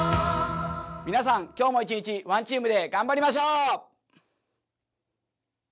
皆さん、今日も一日ワンチームで頑張りましょう。